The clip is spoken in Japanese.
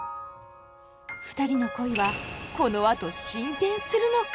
ふたりの恋はこのあと進展するのか。